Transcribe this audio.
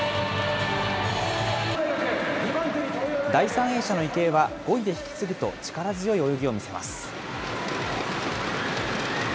第３泳者の池江は５位で引き継ぐと力強い泳ぎを見せます。